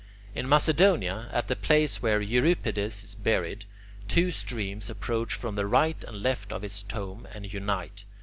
In Macedonia, at the place where Euripides is buried, two streams approach from the right and left of his tomb, and unite.